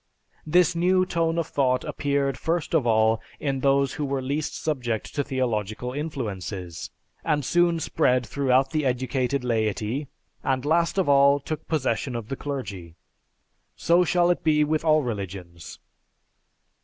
This new tone of thought appeared first of all in those who were least subject to theological influences, and soon spread through the educated laity, and last of all, took possession of the clergy. So shall it be with all religions.